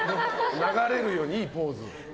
流れるように、いいポーズ。